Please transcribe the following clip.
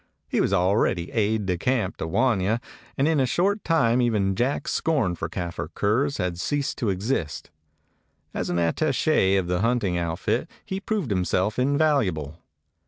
He was already aide de camp to Wanya, and in a short time even Jack's scorn for Kafir curs had ceased to exist. As an attache of the hunting outfit he proved himself invaluable.